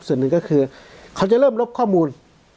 ส่วนหนึ่งก็คือเขาจะเริ่มลบข้อมูล